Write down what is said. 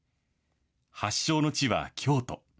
発祥の地は京都。